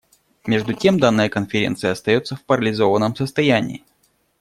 Между тем данная Конференция остается в парализованном состоянии.